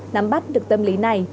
nắm bắt được tâm lý này